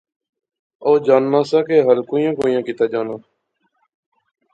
او جاننا سا کہ ہل کوئیاں کوئیاں کیتا جانا